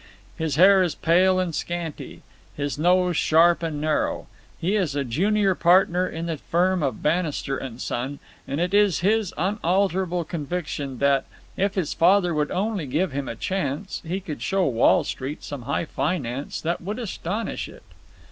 His hair is pale and scanty, his nose sharp and narrow. He is a junior partner in the firm of Bannister & Son, and it is his unalterable conviction that, if his father would only give him a chance, he could show Wall Street some high finance that would astonish it.